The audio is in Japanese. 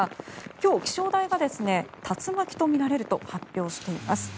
今日、気象台が竜巻とみられると発表しています。